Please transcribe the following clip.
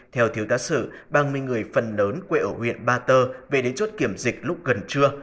theo thiếu tá sự ba mươi người phần lớn quê ở huyện ba tơ về đến chốt kiểm dịch lúc gần trưa